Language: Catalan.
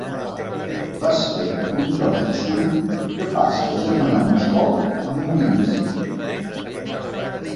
Vas fet d'un tros de suro capaç d'agermanar Moscou amb Molins.